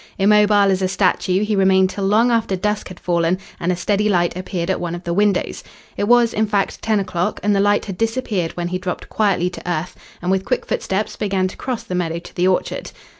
Immobile as a statue, he remained till long after dusk had fallen and a steady light appeared at one of the windows. It was, in fact, ten o'clock, and the light had disappeared when he dropped quietly to earth and, with quick footsteps, began to cross the meadow to the orchard.